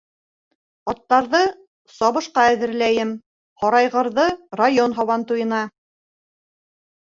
Аттарҙы сабышҡа әҙерҙәйем. һарайғырҙы - район һабантуйына!